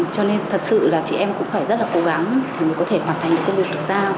cho nên thật sự là chị em cũng phải rất là cố gắng để có thể hoàn thành công việc được ra